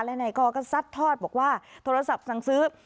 และนายกอก็ซัดทอดบอกว่าโทรศัพท์สั่งซื้อ